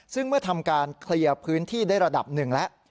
ซึ่งเมื่อทำการเคลียร์พื้นที่ได้ระดับหนึ่งแล้ว